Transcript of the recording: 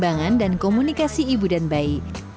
berikutnya lakukan komunikasi ibu dan bayi